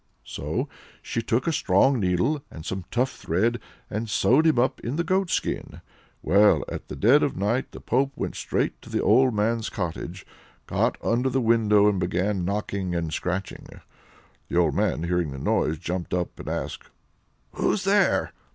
So she took a strong needle, and some tough thread, and sewed him up in the goatskin. Well, at the dead of night, the pope went straight to the old man's cottage, got under the window, and began knocking and scratching. The old man hearing the noise, jumped up and asked: "Who's there?"